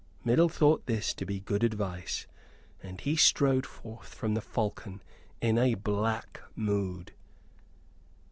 Middle thought this to be good advice, and he strode forth from the "Falcon" in a black mood.